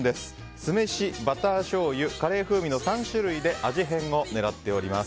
酢飯、バターしょうゆカレー風味の３種類で味変を狙っております。